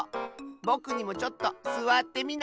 ぼくにもちょっとすわってみない？